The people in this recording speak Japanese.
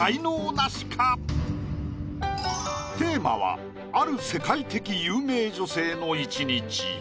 テーマはある世界的有名女性の一日。